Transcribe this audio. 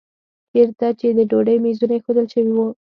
چېرته چې د ډوډۍ میزونه ایښودل شوي وو.